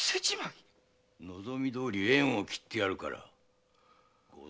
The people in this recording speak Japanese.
望みどおり縁を切ってやるから五千両出せ。